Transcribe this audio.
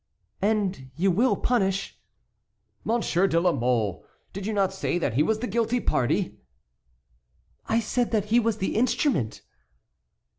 "And you will punish"— "Monsieur de la Mole; did you not say that he was the guilty party?" "I said that he was the instrument."